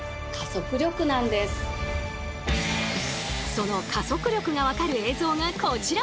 その加速力が分かる映像がこちら。